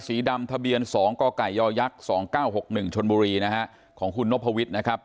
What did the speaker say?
สีดำทะเบียน๒กกย๒๙๖๑ชนบุรีนะฮะของคุณนพวิทย์นะครับ